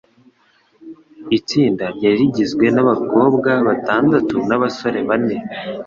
Itsinda ryari rigizwe nabakobwa batandatu nabasore bane. (WestofEden)